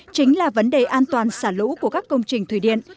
chính là vấn đề an toàn xả lũ của các công trình thủy điện